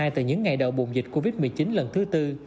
từ những ngày đầu buồn dịch covid một mươi chín lần thứ tư